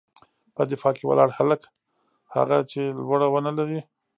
_په دفاع کې ولاړ هلک، هغه چې لوړه ونه لري.